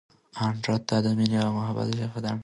دا د مینې او محبت ژبه ده.